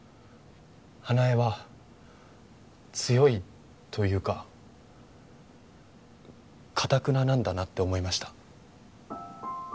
花枝は強いというかかたくななんだなって思いました